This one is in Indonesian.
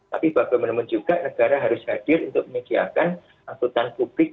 tapi bagaimanapun juga negara harus hadir untuk menyediakan angkutan publik